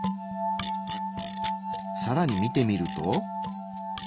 さらに見てみると。